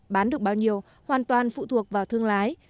bán được bao nhiêu hoàn toàn phụ thuộc vào thương lái